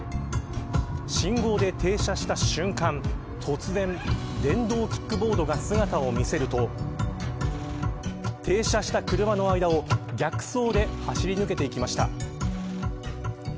信号で停車した瞬間、突然電動キックボードが姿を見せると停車した車の間を逆走で走り抜けていきました。